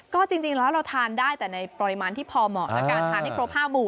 ก็จริงแล้วเราทานได้แต่ในปริมาณที่พอเหมาะแล้วกันทานให้ครบ๕หมู่